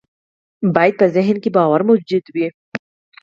بايد په ذهن کې باور موجود وي.